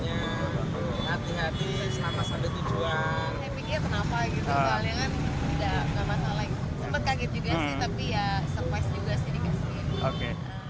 saya pikir kenapa gitu soalnya kan tidak ada masalah sempat kaget juga sih tapi ya surprise juga sih dikasih